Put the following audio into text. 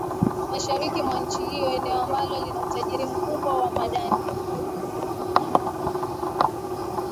mashariki mwa nchi hiyo eneo ambalo lina utajiri mkubwa wa madini